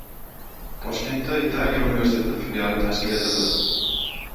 Toshkentda Italiya universiteti filiali tashkil etildi